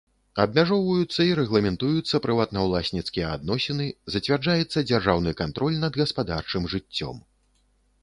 Абмяжоўваюцца і рэгламентуюцца прыватнаўласніцкія адносіны, зацвярджаецца дзяржаўны кантроль над гаспадарчым жыццём.